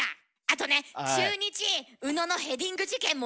あとね中日宇野のヘディング事件も生で見たい！